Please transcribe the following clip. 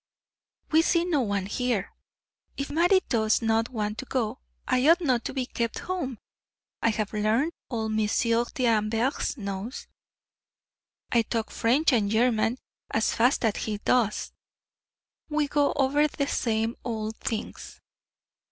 We see no one here. If Mattie does not want to go, I ought not to be kept home. I have learned all Monsieur D'Anvers knows. I talk French and German as fast as he does we go over the same old things."